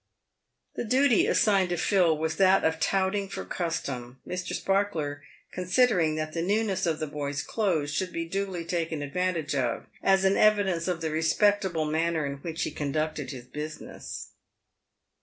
The duty assigned to Phil was that of touting for custom, Mr. Sparkler considering that the newness of the boy's clothes should be duly taken advantage of, as an evidence of the respectable manner in which he conducted his business.